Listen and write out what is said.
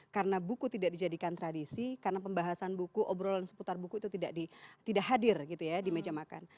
karena buku tidak dijadikan tradisi karena pembahasan buku obrolan seputar buku itu tidak hadir gitu ya di meja makan